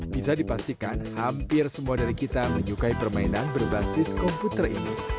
bisa dipastikan hampir semua dari kita menyukai permainan berbasis komputer ini